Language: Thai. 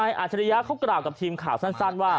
อาจริยะเขากล่าวกับทีมข่าวสั้นว่า